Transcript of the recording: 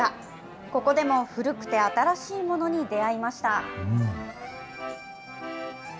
ここでも古くて新しいものに出会いました。